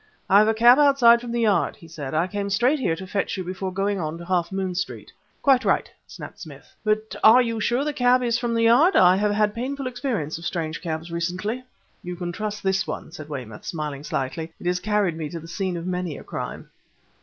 "I have a cab outside from the Yard," he said. "I came straight here to fetch you before going on to Half Moon Street." "Quite right!" snapped Smith; "but you are sure the cab is from the Yard? I have had painful experience of strange cabs recently!" "You can trust this one," said Weymouth, smiling slightly. "It has carried me to the scene of many a crime."